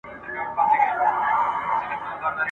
او زما شکر له خپل زړه سره پیوند دی ..